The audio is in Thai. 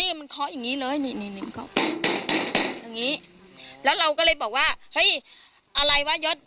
นี่มันเคาะอย่างงี้เลยนี่นี่อย่างนี้แล้วเราก็เลยบอกว่าเฮ้ยอะไรวะยด